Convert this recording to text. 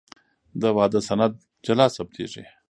د واده سند جلا ثبتېږي.